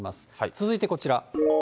続いてこちら。